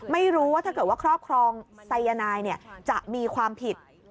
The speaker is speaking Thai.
ไม่รู้ว่าถ้าเกิดว่าครอบครองไซยานายจะมีความผิด